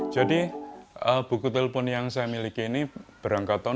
jadi buku telepon yang saya miliki ini berangkat tahun seribu sembilan ratus dua puluh